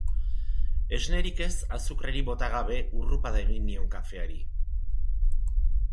Esnerik ez azukrerik bota gabe hurrupada egin nion kafeari.